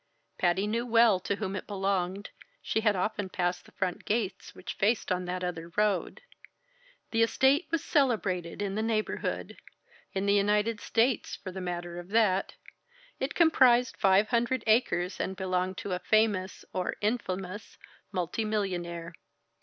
Patty knew well to whom it belonged; she had often passed the front gates which faced on the other road. The estate was celebrated in the neighborhood, in the United States, for the matter of that. It comprised 500 acres and belonged to a famous or infamous multi millionaire.